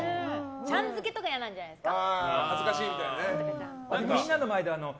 ちゃん付けとか嫌なんじゃないですか？